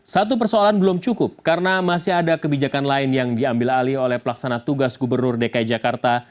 satu persoalan belum cukup karena masih ada kebijakan lain yang diambil alih oleh pelaksana tugas gubernur dki jakarta